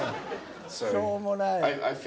しょうもない。